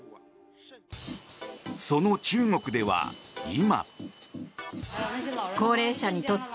その中国では今。